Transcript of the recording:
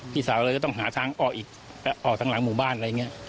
พี่สาวเราจะต้องหาทางออกอีกออกทางหลังหมู่บ้านอะไรอย่างนี้